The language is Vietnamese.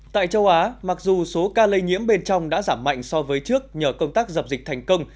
tại châu á mặc dù số ca lây nhiễm bên trong đã giảm mạnh so với trước nhờ công tác dập dịch thành công